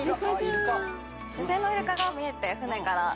野生のイルカが見えて船から。